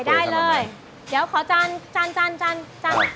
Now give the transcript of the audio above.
เดี๋ยวขอจานจานจานจาน